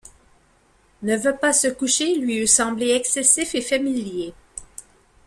Ne va pas se coucher lui eût semblé excessif et familier.